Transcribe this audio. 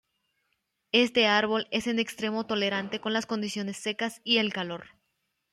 Este árbol es en extremo tolerante con las condiciones secas y el calor.